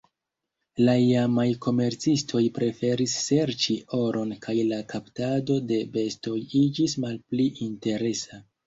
La iamaj komercistoj preferis serĉi oron kaj la kaptado de bestoj iĝis malpli interesa.